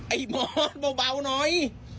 ไอ้มอสเบาน้อย